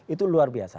itu luar biasa